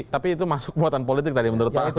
tapi itu masuk muatan politik tadi menurut pak agus